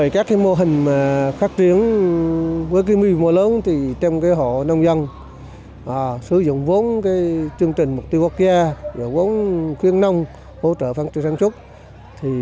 các mô hình khắc triển với mùa lớn thì trong hộ nông dân sử dụng vốn chương trình mục tiêu quốc gia vốn khuyên nông hỗ trợ phát triển sản xuất